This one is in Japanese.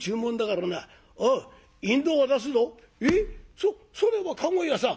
そっそれは駕籠屋さん」。